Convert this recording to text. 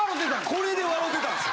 これで笑てたんです。